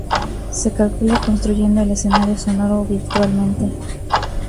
Se calcula construyendo el escenario sonoro virtualmente.